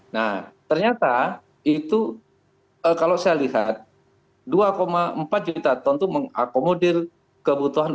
nah ternyata itu kalau saya lihat dua empat juta ton itu mengakomodir kebutuhan